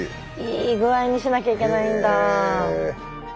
いい具合にしなきゃいけないんだ。